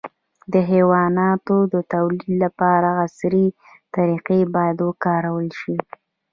د حیواناتو د تولید لپاره عصري طریقې باید وکارول شي.